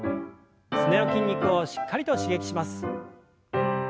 すねの筋肉をしっかりと刺激します。